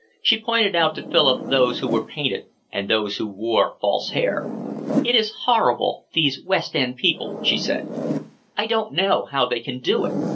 She pointed out to Philip those who were painted and those who wore false hair. "It is horrible, these West end people," she said. "I don't know how they can do it."